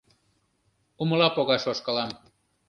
- Умыла погаш ошкылам.